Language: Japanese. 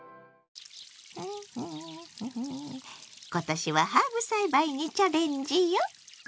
今年はハーブ栽培にチャレンジよ！